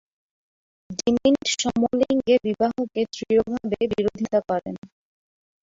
DeMint সমলিঙ্গে বিবাহকে দৃঢ়ভাবে বিরোধিতা করেন।